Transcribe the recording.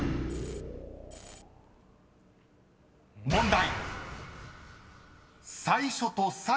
［問題］